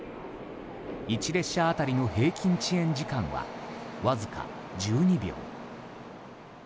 １列車当たりの平均遅延時間はわずか１２秒。